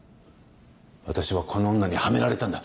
私はこの女にハメられたんだ。